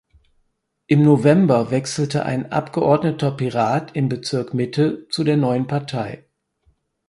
Im November wechselte ein abgeordneter Pirat im Bezirk Mitte zu der neuen Partei.